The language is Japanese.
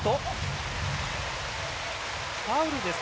ファウルですか。